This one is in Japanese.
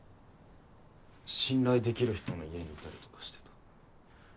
信頼できる人の家にいたりとかしてた。